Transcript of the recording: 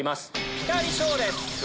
ピタリ賞です。